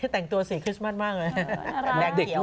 แต่งตัวสีคริสต์มัสมากเลย